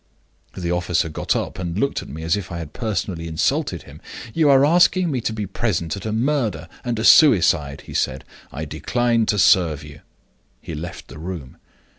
The officer got up, and looked at me as if I had personally insulted him. 'You are asking me to be present at a murder and a suicide,' he said; 'I decline to serve you.' He left the room.